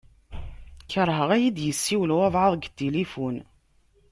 Kerheɣ ad iyi-d-yessiwel wabɛaḍ deg tilifun.